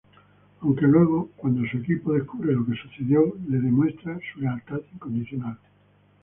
Aunque luego, cuando su equipo descubre lo que sucedió, le demuestra su lealtad incondicional.